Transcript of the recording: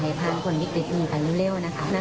ให้พาคนมิจริงกันเร็วนะครับ